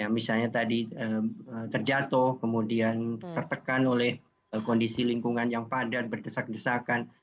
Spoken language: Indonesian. misalnya tadi terjatuh kemudian tertekan oleh kondisi lingkungan yang padat berdesak desakan